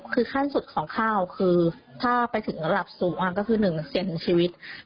คือขั้นสุดของข้าวคือถ้าไปถึงระดับสูงก็คือ๑เสี่ยงถึงชีวิต